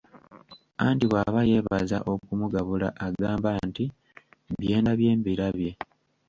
Anti bw’aba yeebaza okumugabula agamba nti, “Bye ndabye mbirabye.”